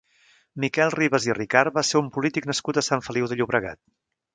Miquel Ribas i Ricart va ser un polític nascut a Sant Feliu de Llobregat.